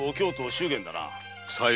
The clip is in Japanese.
祝言だな。